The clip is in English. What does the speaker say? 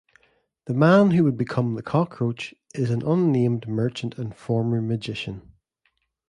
The man who would become the Cockroach is an unnamed merchant and former magician.